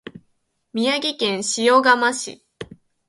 宮城県塩竈市